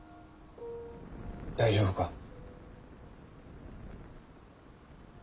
大丈夫か？